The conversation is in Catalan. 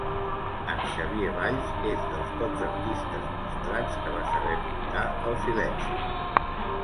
En Xavier Valls és dels pocs artistes nostrats que va saber pintar el silenci.